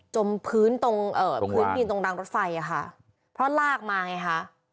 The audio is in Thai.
จมพื้นตรงรางรถไฟค่ะเพราะลากมาไงค่ะ